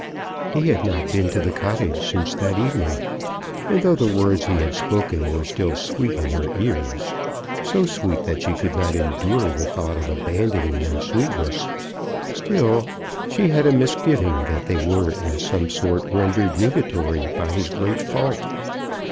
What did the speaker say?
He had not been to the cottage since that evening; and though the words he had spoken were still sweet in her ears, so sweet that she could not endure the thought of abandoning their sweetness, still she had a misgiving that they were in some sort rendered nugatory by his great fault.